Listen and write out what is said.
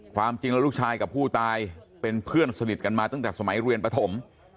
ความจริงแล้วลูกชายกับผู้ตายเป็นเพื่อนสนิทกันมาตั้งแต่สมัยเรียนปฐม